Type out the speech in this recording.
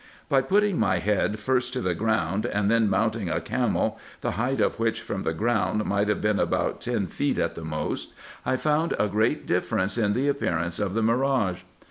By putting my head first to the ground, and then mounting a camel, the height of which from the ground might have been about ten feet at the most, I found a great difference in the appearance of the mirage.